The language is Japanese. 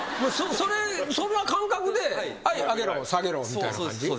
そんな感覚で「はい上げろ下げろ」みたいな感じ？